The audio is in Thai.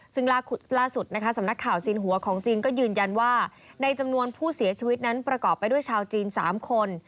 ซึ่งล่าสุดนะคะสำนักข่าวสินหัวของจีนก็ยืนยันว่าในจำนวนผู้เสียชีวิตนั้นประกอบไปด้วยชาวจีน๓คน